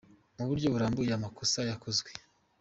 mu buryo burambuye amakosa yakozwe.